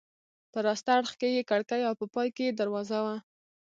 په راسته اړخ کې یې کړکۍ او په پای کې یې دروازه وه.